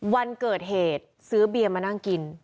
วันเกิดเหตุซื้อเบียร์มานั่งกิน